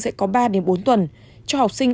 sẽ có ba bốn tuần cho học sinh